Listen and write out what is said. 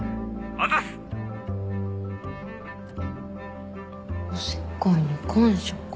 おせっかいに感謝か。